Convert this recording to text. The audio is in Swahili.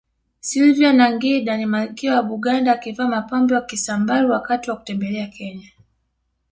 Sylvia Nagginda ni malkia wa Buganda akivaa mapambo ya Kisamburu wakati wa kutembelea Kenya